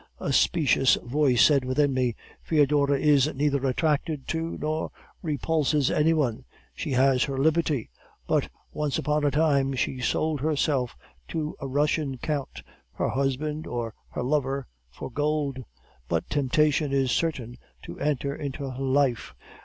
A specious voice said within me, 'Foedora is neither attracted to nor repulses any one; she has her liberty, but once upon a time she sold herself to the Russian count, her husband or her lover, for gold. But temptation is certain to enter into her life.